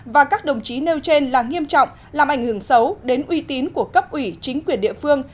và các đồng chí nêu trên là nghiêm trọng làm ảnh hưởng xấu đến uy tín của cấp ủy chính quyền địa phương